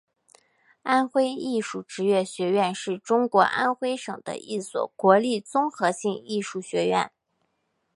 安徽艺术职业学院是中国安徽省的一所国立综合性艺术学院。